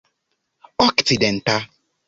okcidenta